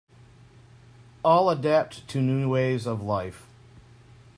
All adapt to new ways of life.